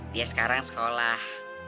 dia sekarang sekolah